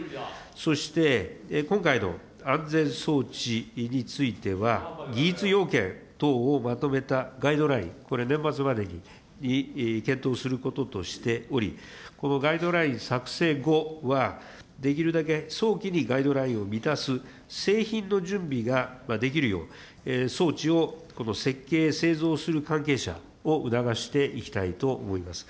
そして、今回の安全装置については、技術要件等をまとめたガイドライン、これ、年末までに検討することとしており、このガイドライン作成後は、できるだけ早期にガイドラインを満たす製品の準備ができるよう、装置を設計、製造する関係者を促していきたいと思います。